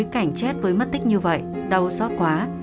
chết với mất tích như vậy đau xót quá